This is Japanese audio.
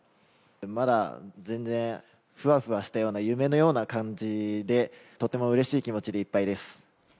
まだ全然、ふわふわしたような、夢のような感じで、とてもうれしい気持ちでいっぱいです。